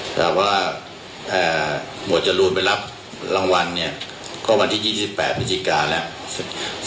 หมวดจรูนไปรับรางวัลเนี่ยก็วันที่๒๘นก็ได้